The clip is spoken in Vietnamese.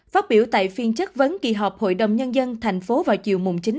phát biểu tại phiên chất vấn kỳ họp hội đồng nhân dân thành phố vào chiều chín